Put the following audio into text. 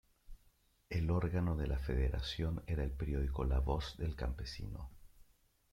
El órgano de la federación era el periódico 'La voz del campesino'.